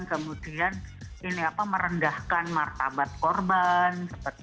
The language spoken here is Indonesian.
kemudian merendahkan martabat korban